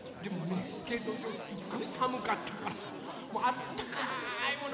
えスケートじょうすっごいさむかったからあったかいもの